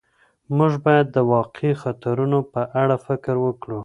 موږ باید د واقعي خطرونو په اړه فکر وکړو.